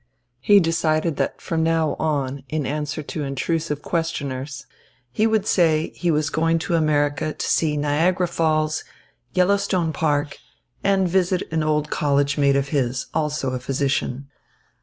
He decided that from now on, in answer to intrusive questioners, he would say he was going to America to see Niagara Falls, Yellowstone Park, and visit an old collegemate of his, also a physician.